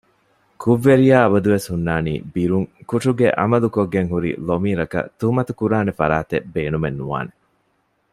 ކުށްވެރިޔާ އަބަދުވެސް ހުންނާނީ ބިރުން ކުށުގެ ޢަމަލު ކޮށްގެންހުރި ޟަމީރަކަށް ތުހުމަތުކުރާނެ ފަރާތެއް ބޭނުމެއް ނުވާނެ